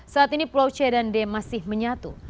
saat ini pulau c dan d masih menyatu